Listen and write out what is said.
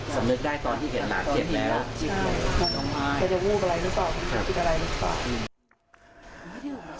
ใช่เขาจะวูบอะไรหรือเปล่า